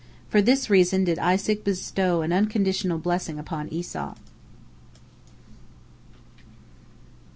'" For this reason did Isaac bestow an unconditional blessing upon Esau.